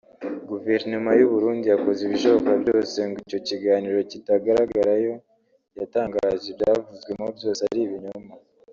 Guverinoma y’u Burundi (yakoze ibishoboka byose ngo icyo kiganiro kitagaragarayo) yatangaje ko ibyavuzwemo byose ari ibinyoma